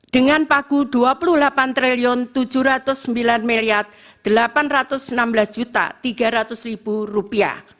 dengan pagu rp dua puluh delapan tujuh ratus sembilan delapan ratus enam belas tiga ratus